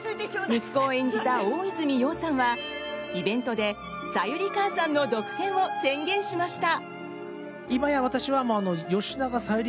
息子を演じた大泉洋さんはイベントで小百合母さんの独占を宣言しました。